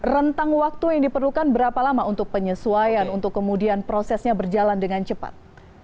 rentang waktu yang diperlukan berapa lama untuk penyesuaian untuk kemudian prosesnya berjalan dengan cepat